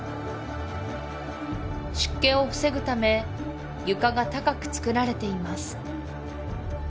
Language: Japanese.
湿気を防ぐため床が高くつくられています